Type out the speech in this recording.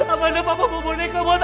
amanda apa yang kamu buat amanda